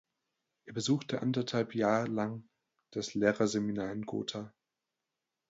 Er besuchte anderthalb Jahr lang das Lehrerseminar in Gotha.